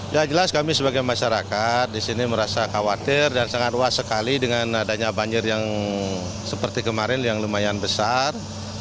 ya jelas kami sebagai masyarakat di sini merasa khawatir dan sangat luas sekali dengan adanya banjir yang seperti kemarin yang lumayan besar